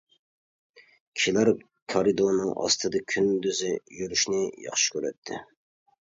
كىشىلەر كارىدورنىڭ ئاستىدا كۈندۈزى يۈرۈشنى ياخشى كۆرەتتى.